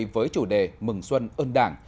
với chủ đề mừng xuân ơn đảng